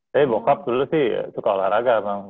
tapi bokap dulu sih suka olahraga emang